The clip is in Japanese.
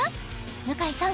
向井さん